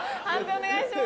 お願いします。